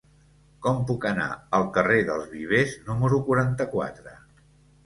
Com puc anar al carrer dels Vivers número quaranta-quatre?